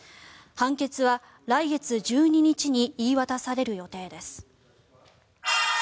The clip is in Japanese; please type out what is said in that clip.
判決は来月１２日に言い渡される予定です。